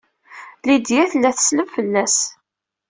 Lydia tella tesleb fell-as.